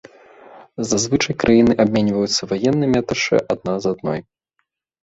Зазвычай краіны абменьваюцца ваеннымі аташэ адна з адной.